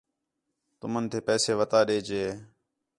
تُمن تے پیسے وتا ݙے جے